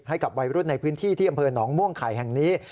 ให้กับวัยรุ่นในพื้นที่ที่อำเภอหนองม่วงไข่แห่งนี้